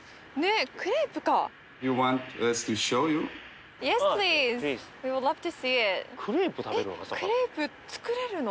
えっクレープ作れるの？